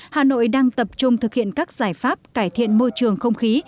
hà nội đang tập trung thực hiện các giải pháp cải thiện môi trường không khí